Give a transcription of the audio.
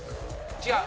違う。